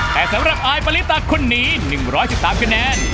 แต่สำหรับอายปริตาคนนี้๑๑๓คะแนน